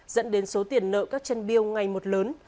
dẫn đến số tiền nợ các chân biêu ngày một lớn